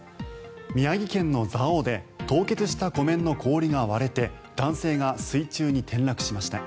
宮城県の蔵王で凍結した湖面の氷が割れて男性が水中に転落しました。